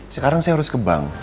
sekarang saya harus ke bank